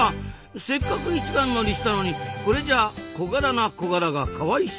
せっかく一番乗りしたのにこれじゃあ小柄なコガラがかわいそう。